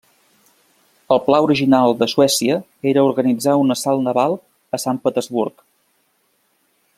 El pla original de Suècia era organitzar un assalt naval a Sant Petersburg.